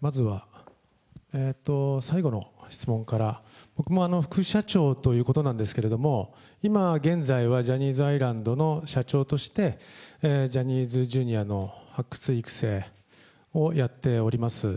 まずは最後の質問から、僕も副社長ということなんですけれども、今現在は、ジャニーズアイランドの社長として、ジャニーズＪｒ．の発掘、育成をやっております。